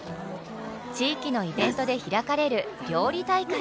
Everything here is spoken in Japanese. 地域のイベントで開かれる料理大会。